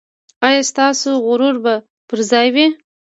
ایا ستاسو غرور به پر ځای وي؟